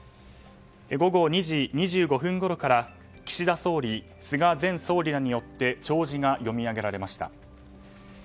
午後２時２５分ごろから岸田総理、菅前総理らによって弔辞が読み上げられました。